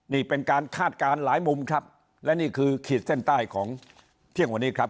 นี่เป็นการคาดการณ์หลายมุมครับและนี่คือขีดเส้นใต้ของเที่ยงวันนี้ครับ